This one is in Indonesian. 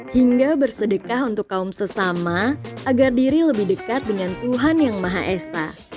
hingga bersedekah untuk kaum sesama agar diri lebih dekat dengan tuhan yang maha esa